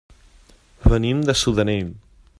Venim de Sudanell.